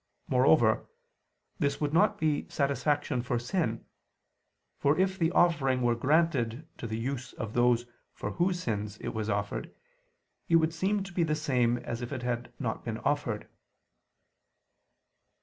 Moreover, this would not be satisfaction for sin: for if the offering were granted to the use of those for whose sins it was offered, it would seem to be the same as if it had not been offered.